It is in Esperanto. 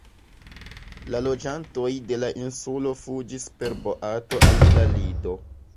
La loĝantoj de la insulo fuĝis per boato al la Lido.